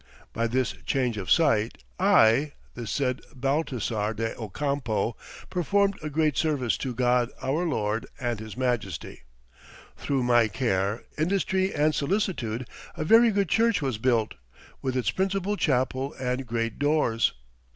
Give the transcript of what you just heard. By this change of site I, the said Baltasar de Ocampo, performed a great service to God our Lord and his Majesty. Through my care, industry and solicitude, a very good church was built, with its principal chapel and great doors."